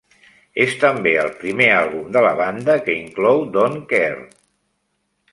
És també el primer àlbum de la banda que inclou Don Kerr.